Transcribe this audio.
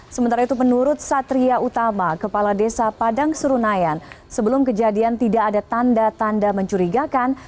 sementara itu menurut satria utama kepala desa padang surunayan sebelum kejadian tidak ada tanda tanda mencurigakan